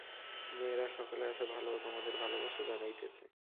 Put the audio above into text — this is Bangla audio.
মেয়েরা সকলে আছে ভাল ও তোমাদের ভালবাসা জানাইতেছে।